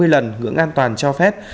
sáu trăm năm mươi lần ngưỡng an toàn cho phép